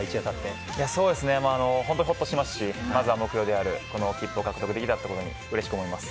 本当にホッとしましたし目標である切符を獲得できてうれしく思います。